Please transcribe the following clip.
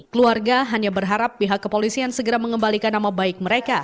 keluarga hanya berharap pihak kepolisian segera mengembalikan nama baik mereka